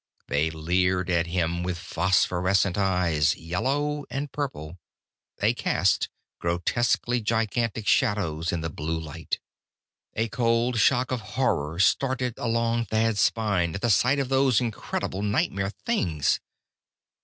They leered at him with phosphorescent eyes, yellow and purple. They cast grotesquely gigantic shadows in the blue light.... A cold shock of horror started along Thad's spine, at sight of those incredible nightmare things.